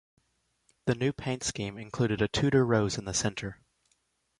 The new paint scheme included a Tudor rose in the centre.